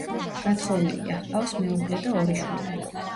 გათხოვილია, ჰყავს მეუღლე და ორი შვილი.